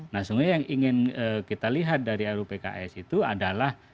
nah sebenarnya yang ingin kita lihat dari rupks itu adalah